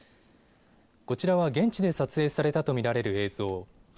こちらは現地で撮影されたと見られる映像。